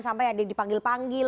sampai ada dipanggil panggil